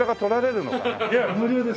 いや無料です。